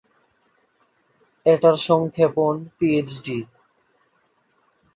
এটার সংক্ষেপণ পিএইচডি।